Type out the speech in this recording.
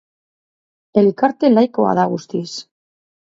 Elkarte laikoa da guztiz.